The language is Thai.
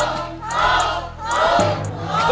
คุณหนุ่ยตอบ